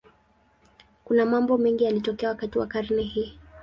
Kuna mambo mengi yaliyotokea wakati wa karne hii.